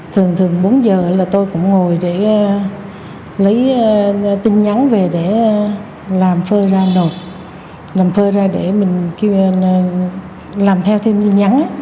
thường thường bốn giờ là tôi cũng ngồi để lấy tin nhắn về để làm phơi ra nộp làm phơi ra để mình kêu làm theo thêm tin nhắn